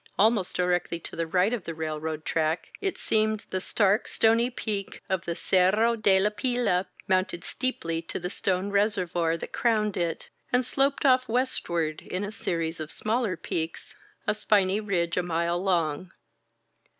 Almost directly to the right of the railroad track, it seemed, the stark, stony peak of the Cerro de la Pila mounted steeply to the stone reservoir that crowned it, and sloped off westward in a series of smaller peaks, a spiny ridge a mile long.